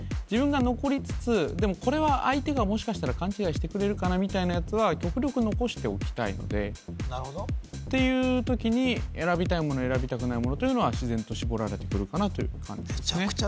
自分が残りつつでもこれは相手がもしかしたら勘違いしてくれるかなみたいなやつは極力残しておきたいのでなるほどっていう時に選びたいもの選びたくないものというのは自然と絞られてくるかなという感じですね